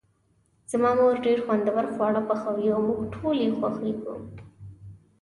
زما مور ډیر خوندور خواړه پخوي او موږ ټول یی خوښیږو